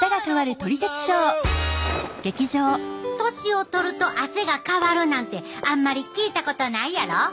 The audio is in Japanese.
年をとると汗が変わるなんてあんまり聞いたことないやろ？